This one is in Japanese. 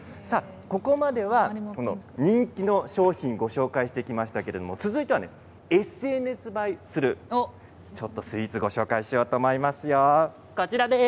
ここまでは人気の商品をご紹介してきましたけど続いてはＳＮＳ映えするちょっとスイーツをご紹介しようと思いますよ。